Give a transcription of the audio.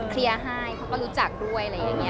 เคลียร์ให้เขาก็รู้จักด้วยอะไรอย่างนี้